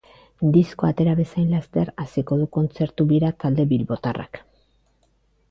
Diskoa atera bezain laster hasiko du kontzertu bira talde bilbotarrak.